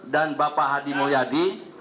dan bapak hadi mulyadi